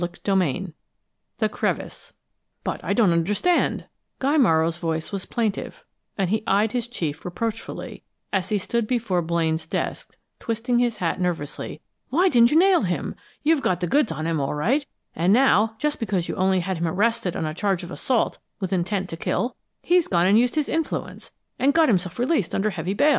CHAPTER XX THE CREVICE "But I don't understand" Guy Morrow's voice was plaintive, and he eyed his chief reproachfully, as he stood before Blaine's desk, twisting his hat nervously "why you didn't nail him! You've got the goods on him, all right; and now, just because you only had him arrested on a charge of assault with intent to kill, he's gone and used his influence, and got himself released under heavy bail.